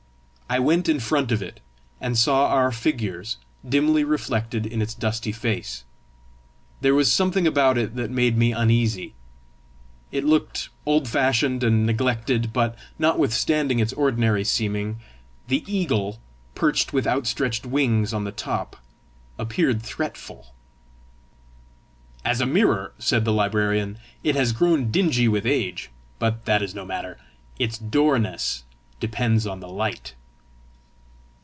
I went in front of it, and saw our figures dimly reflected in its dusty face. There was something about it that made me uneasy. It looked old fashioned and neglected, but, notwithstanding its ordinary seeming, the eagle, perched with outstretched wings on the top, appeared threatful. "As a mirror," said the librarian, "it has grown dingy with age; but that is no matter: its clearness depends on the light."